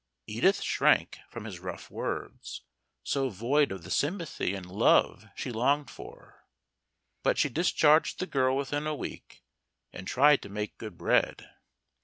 Edith shrank from his rough words, so void of the sympathy and love she longed for. But she discharged the girl within a week, and tried to make good bread.